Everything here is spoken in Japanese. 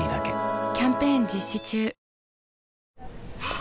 あ！